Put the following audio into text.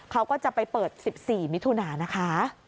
เขาก็จะไปเปิด๑๔มิถุนานะคะ